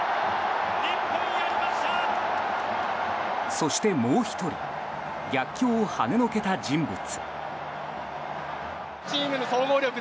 そして、もう１人逆境をはねのけた人物。